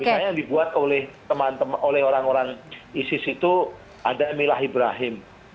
misalnya yang dibuat oleh teman teman oleh orang orang isis itu ada milah ibrahim